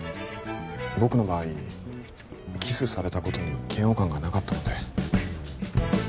僕の場合キスされたことに嫌悪感がなかったのでえっ？